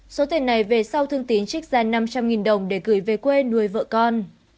số tiền này về sau thương tín trích ra năm trăm linh đồng để gửi về quê nuôi vợ con